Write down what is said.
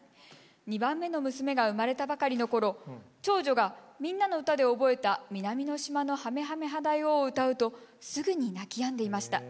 ２番目の娘が生まれたばかりのころ長女が「みんなのうた」で覚えた「南の島のハメハメハ大王」を歌うとすぐに泣きやんでいました。